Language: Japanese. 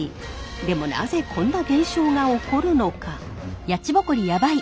でもなぜこんな現象が起こるのか？